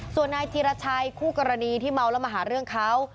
ส่วนนายธีรชัยคู่กรณีที่เมาแล้วมาหาเรื่องเขา